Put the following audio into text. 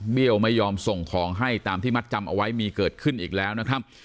ไม่ยอมส่งของให้ตามที่มัดจำเอาไว้มีเกิดขึ้นอีกแล้วนะครับ